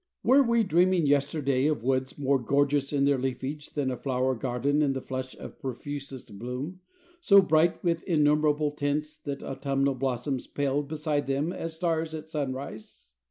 Were we dreaming yesterday of woods more gorgeous in their leafage than a flower garden in the flush of profusest bloom, so bright with innumerable tints that autumnal blossoms paled beside them as stars at sunrise?